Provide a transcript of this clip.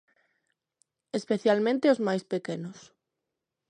Especialmente os máis pequenos.